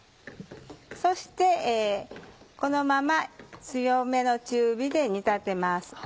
そしてこのまま強めの中火で煮立てます。